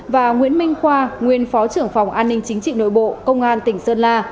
và nguyễn minh khoa nguyên phó trưởng phòng an ninh chính trị nội bộ công an tỉnh sơn la